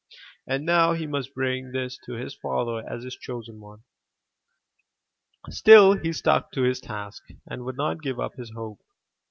And now he must bring this to his father as his chosen one. Still he stuck to his task and would not give up his hope.